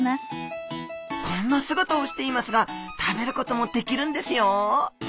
こんな姿をしていますが食べることもできるんですよ